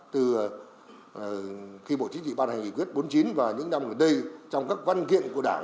từ khi bộ chính trị ban hành nghị quyết bốn mươi chín và những năm gần đây trong các văn kiện của đảng